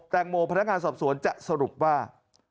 แตงโมพนักงานสอบสวนจะสรุปว่า